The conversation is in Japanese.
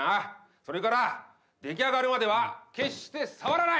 それから出来上がるまでは決して触らない！